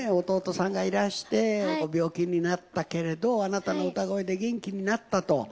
弟さんがいらしてご病気になったけれどあなたの歌声で元気になったと。